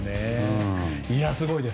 すごいです。